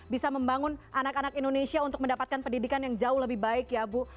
bisa membangun anak anak indonesia untuk mendapatkan pendidikan yang jauh lebih baik ya bu